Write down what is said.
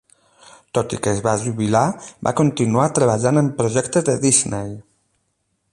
Tot i que es va jubilar, va continuar treballant en projectes de Disney.